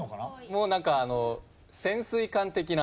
もうなんか。